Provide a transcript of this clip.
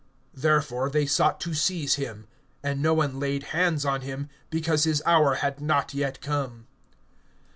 (30)Therefore they sought to seize him; and no one laid hands on him, because his hour had not yet come.